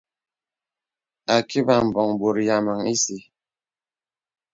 Ākibà mbɔ̀ŋ bòt yàmaŋ ìsɛ̂.